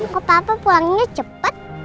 kok papa pulangnya cepet